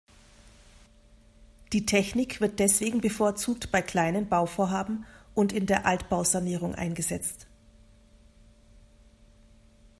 Die Technik wird deswegen bevorzugt bei kleinen Bauvorhaben und in der Altbausanierung eingesetzt.